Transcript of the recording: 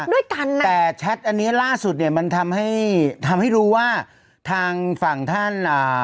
ด้วยกันนะแต่แชทอันเนี้ยล่าสุดเนี้ยมันทำให้ทำให้รู้ว่าทางฝั่งท่านอ่า